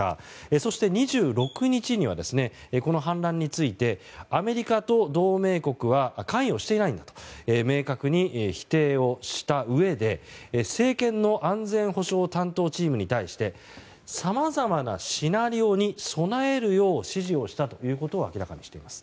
そして、２６日にはこの反乱についてアメリカと同盟国は関与していないんだと明確に否定をしたうえで政権の安全保障担当チームに対してさまざまなシナリオに備えるよう指示をしたということを明らかにしています。